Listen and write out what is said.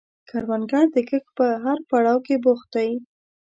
کروندګر د کښت په هر پړاو کې بوخت دی